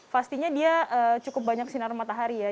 pastinya dia cukup banyak sinar matahari ya